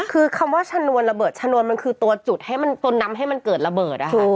คือคำว่าชะนวนระเบิดชะนวนมันคือตัวนำให้มันเกิดระเบิด